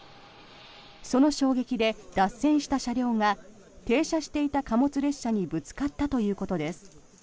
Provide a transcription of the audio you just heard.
その衝撃で脱線した車両が停車していた貨物列車にぶつかったということです。